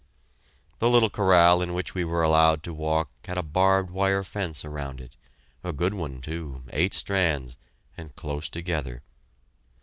The little corral in which we were allowed to walk had a barbed wire fence around it a good one, too, eight strands, and close together.